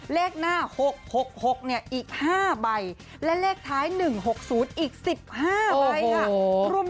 เลขหน้า๖๖๖อีก๕ใบและเลขท้าย๑๖๐อีก๑๕ใบค่ะ